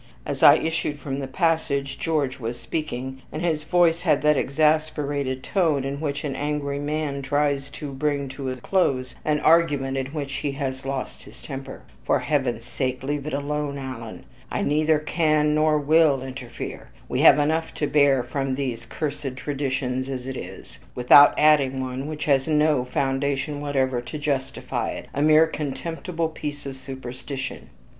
As I issued from the passage, George was speaking, and his voice had that exasperated tone in which an angry man tries to bring to a close an argument in which he has lost his temper. "For heaven's sake leave it alone, Alan; I neither can nor will interfere. We have enough to bear from these cursed traditions as it is, without adding one which has no foundation whatever to justify it a mere contemptible piece of superstition."